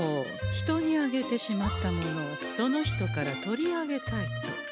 人にあげてしまったものをその人から取り上げたいと。